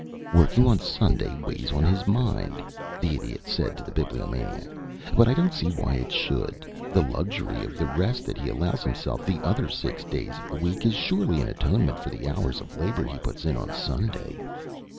"Working on Sunday weighs on his mind," the Idiot said to the Bibliomaniac, "but I don't see why it should. The luxury of rest that he allows himself the other six days of the week is surely an atonement for the hours of labor he puts in on Sunday."